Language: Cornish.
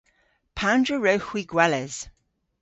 Pandr'a wrewgh hwi gweles?